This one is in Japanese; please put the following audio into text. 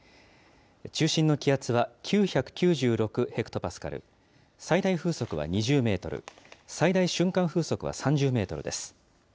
中心の気圧は９９６ヘクトパスカル、最大風速は２０メートル、最大瞬間風速は３０メートルです。